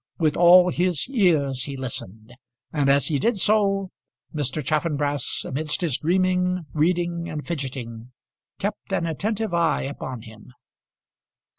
With all his ears he listened, and as he did so Mr. Chaffanbrass, amidst his dreaming, reading, and fidgeting, kept an attentive eye upon him.